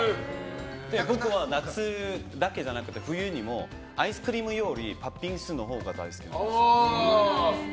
僕は夏だけじゃなくて冬にもアイスクリームよりパッピンスのほうが大好きです。